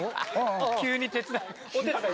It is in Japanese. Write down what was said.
急に手伝いお手伝い。